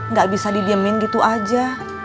nggak bisa didiemin gitu aja